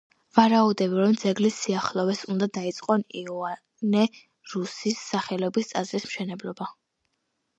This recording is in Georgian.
ვარაუდობენ, რომ ძეგლის სიახლოვეს უნდა დაიწყონ იოანე რუსის სახელობის ტაძრის მშენებლობა.